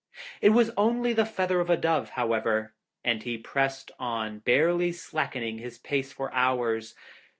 It was only the feather of a dove, however, and he pressed on, barely slackening his pace for hours.